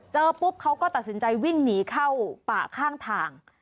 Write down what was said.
ปุ๊บเขาก็ตัดสินใจวิ่งหนีเข้าป่าข้างทาง